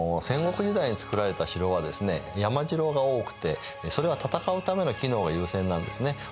戦国時代に造られた城は山城が多くてそれは戦うための機能が優先なんですね。